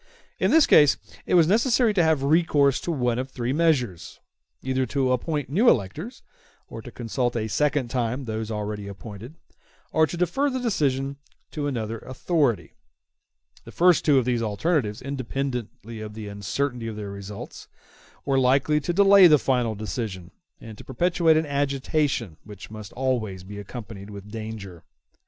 In this case it was necessary to have recourse to one of three measures; either to appoint new electors, or to consult a second time those already appointed, or to defer the election to another authority. The first two of these alternatives, independently of the uncertainty of their results, were likely to delay the final decision, and to perpetuate an agitation which must always be accompanied with danger.